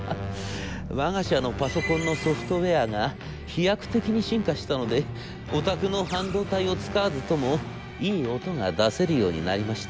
『わが社のパソコンのソフトウェアが飛躍的に進化したのでお宅の半導体を使わずともいい音が出せるようになりました。